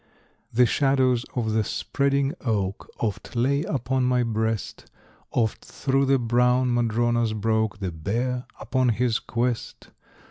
The shadows of the spreading oak Oft lay upon my breast; Oft through the brown madronas broke The bear upon his quest.